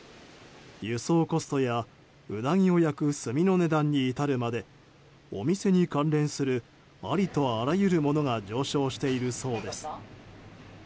輸送コストやウナギを焼く炭の値段に至るまでお店に関連するありとあらゆるものが上昇しているそうです。